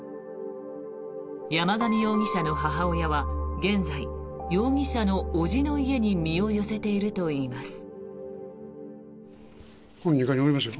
山上容疑者の母親は現在容疑者の伯父の家に身を寄せているといいます。